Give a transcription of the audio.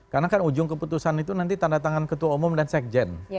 karena kan ujung keputusan itu nanti tanda tangan ketua umum dan sekjen